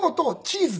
チーズ？